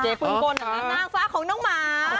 เก๋ฟื้นกลนางฟ้าของน้องหมา